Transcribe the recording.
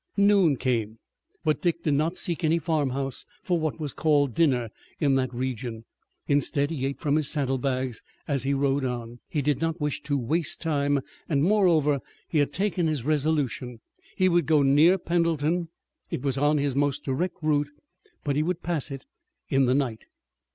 Noon came, but Dick did not seek any farmhouse for what was called dinner in that region. Instead he ate from his saddle bags as he rode on. He did not wish to waste time, and, moreover, he had taken his resolution. He would go near Pendleton. It was on his most direct route, but he would pass in the night.